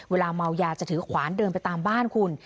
เวลาเมายาจะถือขวานเดินไปตามบ้านคุณ